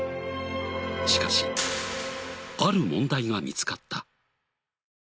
しかしある問題が見つかった。